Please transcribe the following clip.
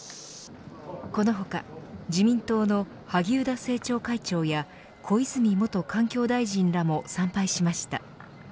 この他自民党の萩生田政調会長や小泉元環境大臣らも参拝しました。